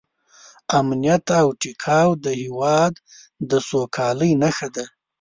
امنیت او ټیکاو د هېواد د سوکالۍ نښه ده.